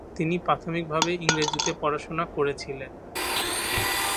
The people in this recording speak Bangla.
তিনি প্রাথমিকভাবে ইংরেজিতে পড়াশোনা করেছিলেন।